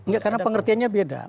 enggak karena pengertiannya beda